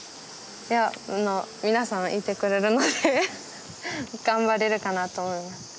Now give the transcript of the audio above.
皆さんいてくれるので頑張れるかなと思います